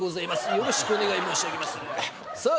よろしくお願い申し上げまするさあ